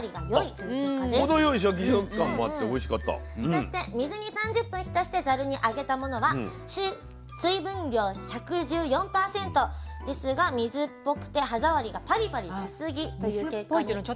そして水に３０分浸してざるにあげたものは水分量１１４％ですが水っぽくて歯触りがパリパリしすぎという結果になりました。